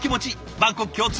万国共通。